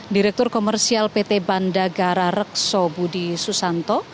direktur komersial pt bandagara rekso budi susanto